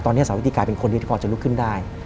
ตอนนี้สาวิติกลายเป็นคนเดียวที่พอจะลุกขึ้นได้